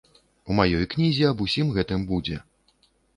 У маёй кнізе аб усім гэтым будзе.